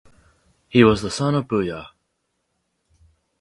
He was the son of Buya.